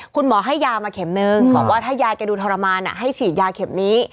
คุณหมอให้ยามาเข็มนึงบอกว่าถ้ายายแกดูทรมานให้ฉีดยาเข็มนี้